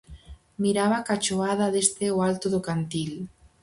Miraba a cachoada desde o alto do cantil.